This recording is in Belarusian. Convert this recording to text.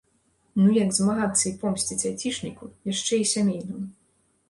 Ну як змагацца і помсціць айцішніку, яшчэ і сямейнаму?